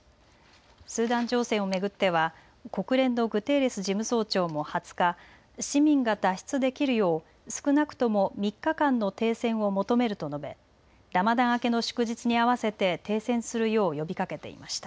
スーダン情勢を巡っては国連のグテーレス事務総長も２０日、市民が脱出できるよう少なくとも３日間の停戦を求めると述べラマダン明けの祝日に合わせて停戦するよう呼びかけていました。